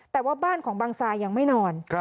แต่ว่าบ้านของบังซายังไม่นอน